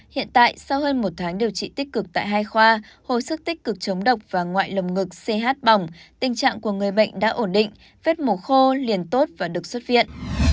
hiện tại sau hơn một tháng điều trị tích cực tại hai khoa hồi sức tích cực chống độc và ngoại lồng ngực ch bỏng tình trạng của người bệnh đã ổn định vết mổ khô liền tốt và được xuất viện